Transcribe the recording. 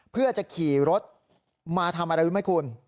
เพื่อจะขี่รถมาทำอะไรรู้ไหมคุณ